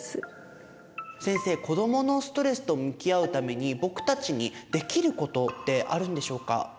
先生子どものストレスと向き合うために僕たちにできることってあるんでしょうか？